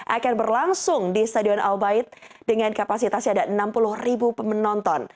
akan berlangsung di stadion al bait dengan kapasitasnya ada enam puluh ribu penonton